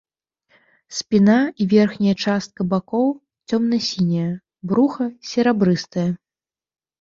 Спіна і верхняя частка бакоў цёмна-сінія, бруха серабрыстае.